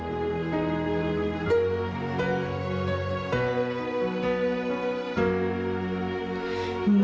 โปรดติดตามตอนต่อไป